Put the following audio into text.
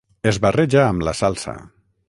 es barreja amb la salsa